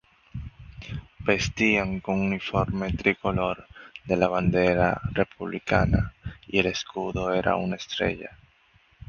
Vestían con uniforme tricolor de la bandera republicana y el escudo era una estrella.